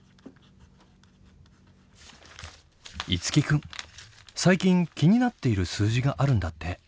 樹君最近気になっている数字があるんだって。